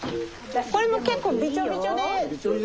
これも結構びちょびちょで。